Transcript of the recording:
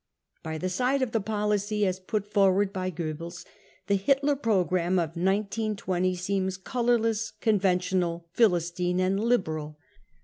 35 By the side of the policy as put forward by Goebbels, the Hitler programme of 1920 seenfs colourless, conventional, • philistine and liberal.